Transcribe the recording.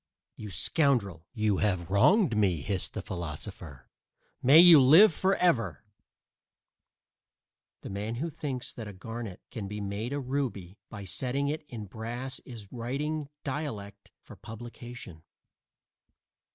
"You scoundrel, you have wronged me," hissed the philosopher. "May you live forever!" The man who thinks that a garnet can be made a ruby by setting it in brass is writing "dialect" for publication.